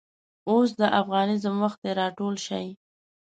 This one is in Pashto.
اوس دافغانیزم وخت دی راټول شئ